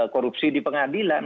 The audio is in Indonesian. korupsi di pengadilan